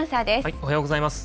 おはようございます。